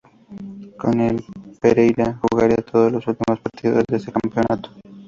Con el, Pereyra jugaría todos los últimos partidos de ese campeonato.